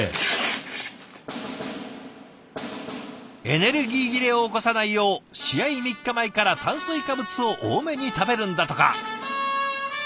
エネルギー切れを起こさないよう試合３日前から炭水化物を多めに食べるんだとか。